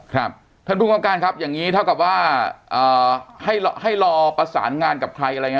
ครับท่านภูมิกับการครับอย่างนี้เท่ากับว่าให้ให้รอประสานงานกับใครอะไรยังไง